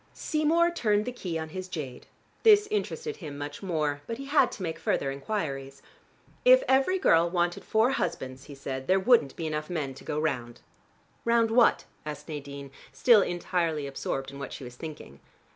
Seymour turned the key on his jade. This interested him much more. But he had to make further inquiries. "If every girl wanted four husbands," he said, "there wouldn't be enough men to go round." "Round what?" asked Nadine, still entirely absorbed in what she was thinking.